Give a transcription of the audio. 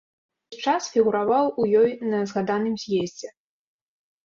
Ён увесь час фігураваў у ёй на згаданым з'ездзе.